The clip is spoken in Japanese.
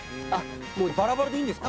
バラバラでいいんですか？